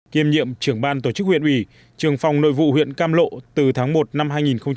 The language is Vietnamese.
kiêm nhiệm trưởng ban tổ chức huyện ủy trường phòng nội vụ huyện cam lộ từ tháng một năm hai nghìn một mươi chín